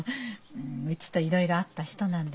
うちといろいろあった人なんですもの。